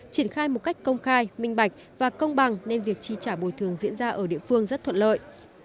triển khai một cách công khai minh bạch và công bằng nên việc chi trả bồi thường diễn ra ở địa phương rất thuận lợi